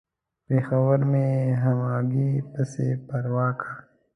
پېښور مې همګي پسې پره کا.